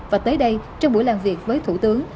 và tới đây trong buổi làm việc với thủ tướng